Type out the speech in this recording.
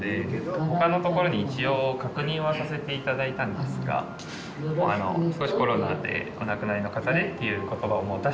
他のところに一応確認はさせて頂いたんですが少し「コロナでお亡くなりの方で」っていう言葉をもう出した途端にもうすぐ。